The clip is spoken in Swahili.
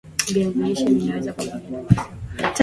viazi lishe Vinaweza pamoja na maziwa